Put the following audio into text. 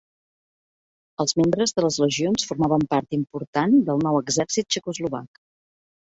Els membres de les legions formaven part important del nou exèrcit txecoslovac.